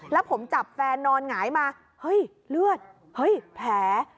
แล้วผมจับแฟนนอนหงายมาเฮ้ยเลือดเฮ้ยแผล